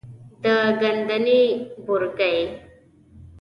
د ګندنې بورګی،